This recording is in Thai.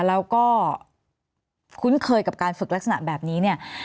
แล้วก็คุ้นเคยกับการฝึกลักษณะแบบนี้เนี่ย